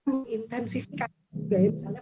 mengintensifikan juga ya misalnya